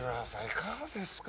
いかがですか？